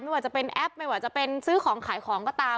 ว่าจะเป็นแอปไม่ว่าจะเป็นซื้อของขายของก็ตาม